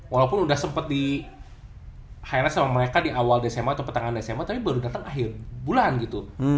walaupun udah sempet di high rest sama mereka di awal desember atau petangan desember tapi baru dateng akhir bulan gitu